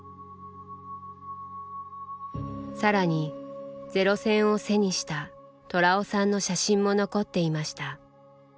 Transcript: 更にゼロ戦を背にした寅雄さんの写真も残っていました。